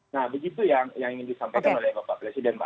nah begitu yang ingin disampaikan oleh bapak presiden pak